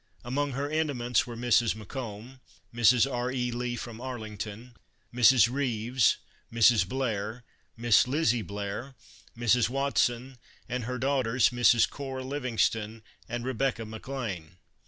Among her intimates were Mrs. Macomb, Mrs. R. E. Lee, from Arlington, Mrs. Rives, Mrs. Blair, Miss Lizzie Blair, Mrs. Watson and her daughters, Misses Cora Livingston and Rebecca McLane.